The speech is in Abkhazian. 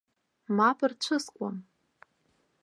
Мап рцәыскуам.